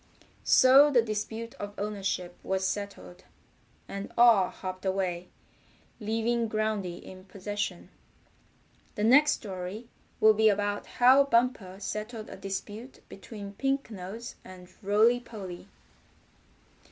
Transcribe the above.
So the dispute of ownership was settled, and all hopped away, leaving Groundy in possession. The next story will be about how Bumper settled a dispute between Pink Nose and Rolly Polly.